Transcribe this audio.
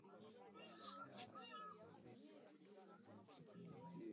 Karibu theluthi mbili ya watu wa Zanzibar wanaishi unguja